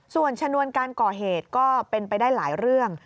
ส่วนชนวนการก่อเหตุก็เป็นไปได้หลายเรื่อง